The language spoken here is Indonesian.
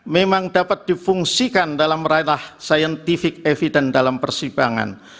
memang dapat difungsikan dalam ranah scientific evidence dalam persidangan